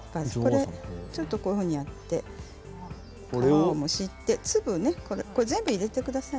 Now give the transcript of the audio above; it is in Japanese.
ちょっとこういうふうに切って皮をむしって全部入れてください。